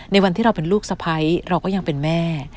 ในวันที่เราเป็นลูกสะพ้ายเราก็ยังเป็นแม่